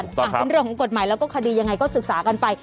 เป็นเรื่องของกฎหมายแล้วก็คดียังไงก็ศึกษากันไป